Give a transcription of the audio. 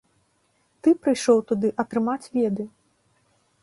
Ты прыйшоў туды атрымаць веды.